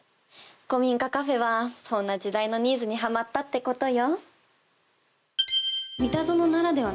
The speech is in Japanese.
古民家カフェはそんな時代のニーズにハマったってことよ。